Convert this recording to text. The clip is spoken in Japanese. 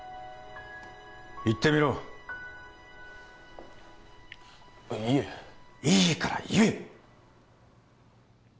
言ってみろいえいいから言え！